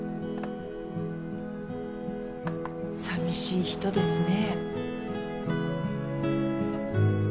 さみしい人ですね。